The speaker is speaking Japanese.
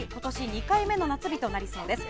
２回目の夏日となりそうです。